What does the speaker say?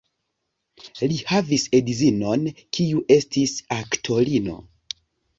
Li havis edzinon, kiu estis aktorino.